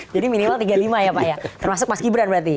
jadi minimal tiga puluh lima ya pak ya termasuk mas gibran berarti